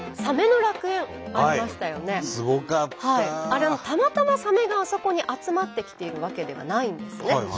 あれたまたまサメがあそこに集まってきているわけではないんですね。